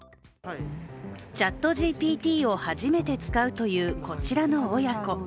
ＣｈａｔＧＰＴを初めて使うというこちらの親子。